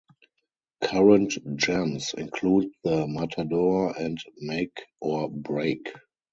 Current gems include the "Matador" and "Make or Break".